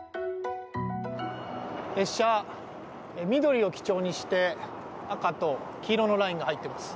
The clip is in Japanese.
列車、緑を基調にして赤と黄色のラインが入っています。